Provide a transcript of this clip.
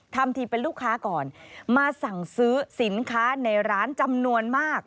ทำทีเป็นลูกค้าก่อนมาสั่งซื้อสินค้าในร้านจำนวนมาก